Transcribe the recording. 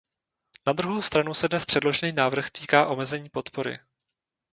Na druhou stranu se dnes předložený návrh týká omezení podpory.